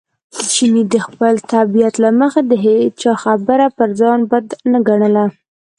چیني د خپلې طبیعت له مخې د هېچا خبره پر ځان بد نه ګڼله.